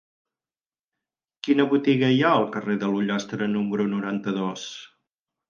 Quina botiga hi ha al carrer de l'Ullastre número noranta-dos?